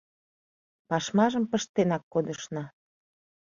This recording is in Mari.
Пашмажым пыштенак кодышна.